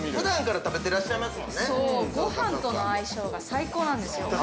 ◆ごはんとの相性が最高なんですよ。